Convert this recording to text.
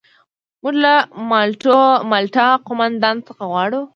موږ له مالټا قوماندان څخه غواړو.